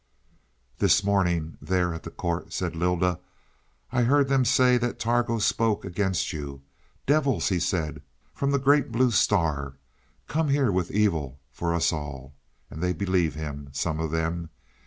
"This morning, there at the court," said Lylda, "I heard them say that Targo spoke against you. Devils, he said, from the Great Blue Star, come here with evil for us all. And they believe him, some of them.